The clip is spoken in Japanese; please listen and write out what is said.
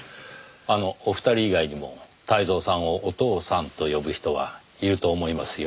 あのお二人以外にも泰造さんをお父さんと呼ぶ人はいると思いますよ。